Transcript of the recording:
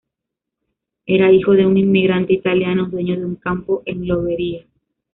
Era hijo de un inmigrante italiano, dueño de un campo en Lobería.